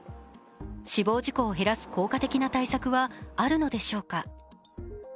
死亡事故を減らす効果的な対策はあるのでしょうか。